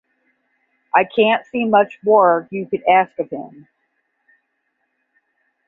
I can’t see much more you could ask of him.